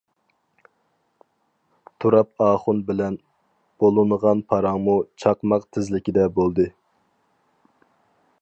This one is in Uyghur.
تۇراپ ئاخۇن بىلەن بولۇنغان پاراڭمۇ چاقماق تېزلىكىدە بولدى.